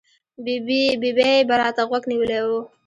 ببۍ به را ته غوږ نیولی و.